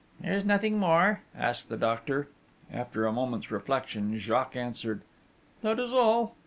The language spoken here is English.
'Is there nothing more?' asked the doctor. After a minute's reflection Jacques answered: 'That is all.'